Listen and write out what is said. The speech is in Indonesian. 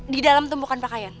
di dalam tumpukan pakaian